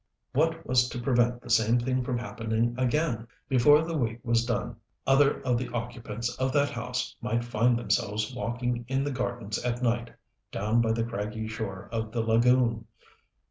What was to prevent the same thing from happening again? Before the week was done other of the occupants of that house might find themselves walking in the gardens at night, down by the craggy shore of the lagoon!